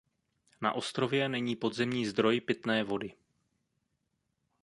Na ostrově není podzemní zdroj pitné vody.